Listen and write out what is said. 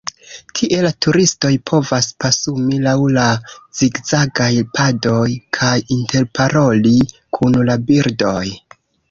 Tie la turistoj povas pasumi lau la zigzagaj padoj kaj interparoli kun la birdoj.